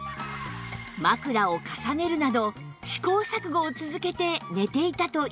枕を重ねるなど試行錯誤を続けて寝ていたといいます